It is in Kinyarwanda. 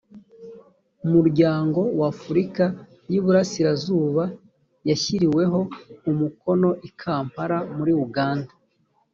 muryango wa afurika y iburasirazuba yashyiriweho umukono i kampala muri uganda